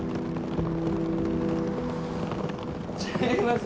違います。